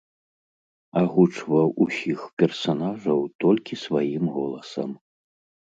Агучваў усіх персанажаў толькі сваім голасам.